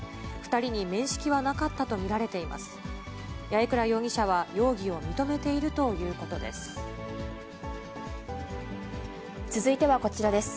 ２人に面識はなかったと見られています。